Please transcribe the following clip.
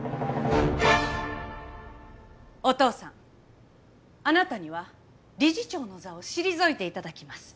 お父さんあなたには理事長の座を退いて頂きます。